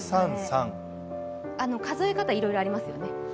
数え方、いろいろありますよね。